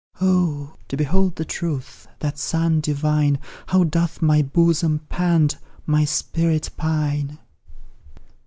Oh! to behold the truth that sun divine, How doth my bosom pant, my spirit pine!